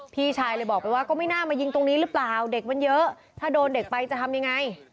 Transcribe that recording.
พี่ชายเลยบอกไปว่าก็ไม่น่ามายิงตรงนี้หรือเปล่าเด็กมันเยอะถ้าโดนเด็กไปจะทำยังไง